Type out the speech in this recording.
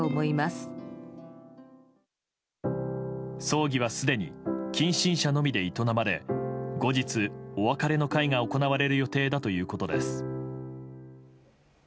葬儀はすでに近親者のみで営まれ後日、お別れの会が行われる予定だということです。